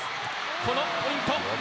このポイント。